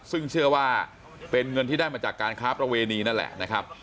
ซึ่งเชื่อว่าเป็นเงินที่ได้มาจากการค้าประเวณีนั่นแหละนะครับ